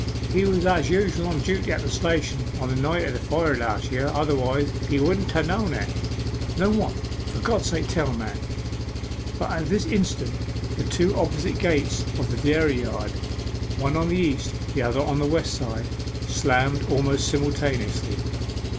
He was as usual on duty at the station on the night of the fire last year, otherwise he wouldn't ha' known it.' 'Known what? For God's sake tell, man!' But at this instant the two opposite gates of the dairy yard, one on the east, the other on the west side, slammed almost simultaneously.